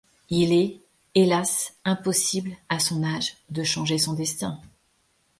Il est, hélas, impossible, à son âge, de changer son destin.